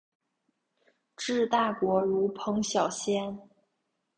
治大国如烹小鲜。